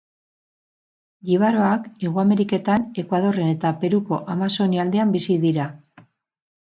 Jibaroak Hego Ameriketan Ekuadorren eta Peruko Amazonia aldean bizi dira.